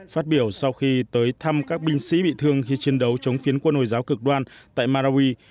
phát biểu sau khi tới thăm các binh sĩ bị thương khi chiến đấu chống phiến quân hồi giáo cực đoan tại marawi